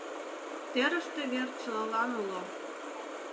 Терыште вер чылалан уло.